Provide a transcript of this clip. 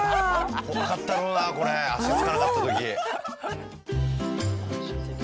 怖かったろうなこれ足着かなかった時。